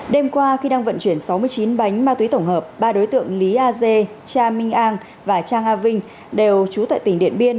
đêm qua khi đang vận chuyển sáu mươi chín bánh ma túy tổng hợp ba đối tượng lý a dê cha minh an và cha a vinh đều trú tại tỉnh điện biên